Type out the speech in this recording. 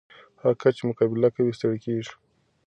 هغه کس چې مقابله کوي، ستړی کېږي نه.